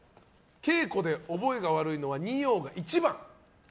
稽古で覚えが悪いのは二葉が一番。